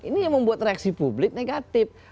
ini yang membuat reaksi publik negatif